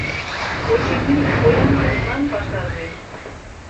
Очыни, поян Кузьман пашаже.